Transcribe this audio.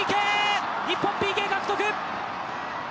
日本ＰＫ獲得！